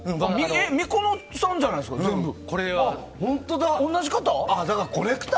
みこのさんじゃないですか全部。